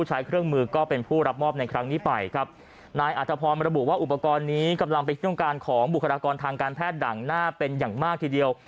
อาทธพรมาระบุว่าอุปกรณ์นี้กำลังเป็นที่ต้องการของบุคลากรทางการแพทย์ดั่งหน้าเป็นอย่างมากทีเดียว